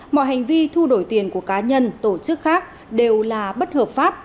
mọi hành vi thu đổi tiền của cá nhân tổ chức khác đều là bất hợp pháp